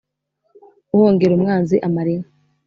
Uhongera umwanzi amara inka.